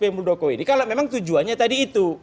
pak muldoko ini kalau memang tujuannya tadi itu